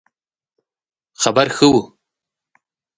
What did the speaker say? خبر ښه وو